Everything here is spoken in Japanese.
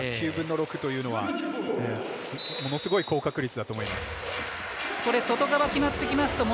９分の６というのはものすごい高確率だと思います。